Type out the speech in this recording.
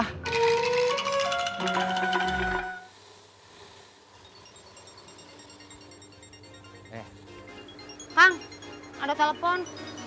hang ada telepon